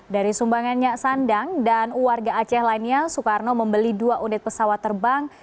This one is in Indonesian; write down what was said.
dari sumbangannya sandang dan warga aceh lainnya soekarno membeli dua unit pesawat terbang